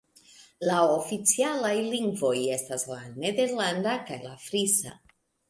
La oficialaj lingvoj estas la nederlanda kaj la frisa.